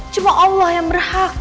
cuma allah yang berhak